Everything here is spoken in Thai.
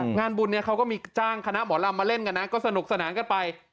งานบุญเนี่ยเขาก็มีจ้างคณะหมอลำมาเล่นกันนะก็สนุกสนานกันไป